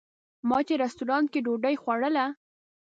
ما چې رسټورانټ کې ډوډۍ خوړله.